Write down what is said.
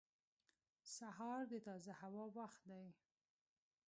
• سهار د تازه هوا وخت دی.